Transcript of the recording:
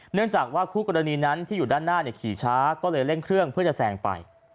เนื่องจากว่าคู่กรณีนั้นที่อยู่ด้านหน้าขี่ช้าก็เลยเร่งเครื่องเพื่อจะแซงไป